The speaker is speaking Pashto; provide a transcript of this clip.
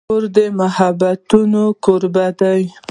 کور د محبتونو کوربه دی.